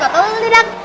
atau lidah kak